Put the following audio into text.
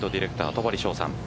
戸張捷さん